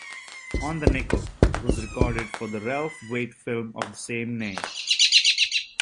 "On the Nickel" was recorded for the Ralph Waite film of the same name.